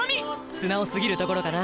素直すぎるところだな。